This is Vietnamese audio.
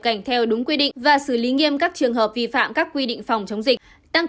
cảnh theo đúng quy định và xử lý nghiêm các trường hợp vi phạm các quy định phòng chống dịch tăng